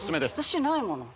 私ないもの